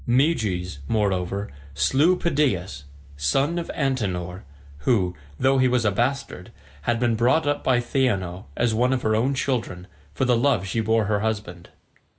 Meges, moreover, slew Pedaeus, son of Antenor, who, though he was a bastard, had been brought up by Theano as one of her own children, for the love she bore her husband.